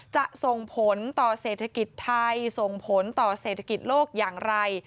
จะส่งผลต่อเศรษฐกิจไทยส่งผลต่อเศรษฐกิจโลกอย่างไร